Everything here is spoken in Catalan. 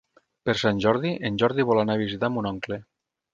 Per Sant Jordi en Jordi vol anar a visitar mon oncle.